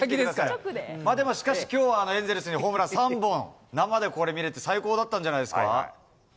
しかしきょうは、エンゼルスにホームラン３本、生でこれ見れて、最高だったんじゃないですか。